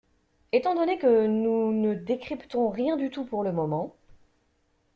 Étant donné que nous ne décryptons rien du tout pour le moment.